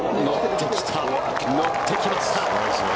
乗ってきました！